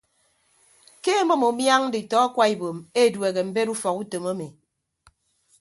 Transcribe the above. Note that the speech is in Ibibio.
Ke emʌm umiañ nditọ akwa ibom edueehe mbet ufọk utom emi.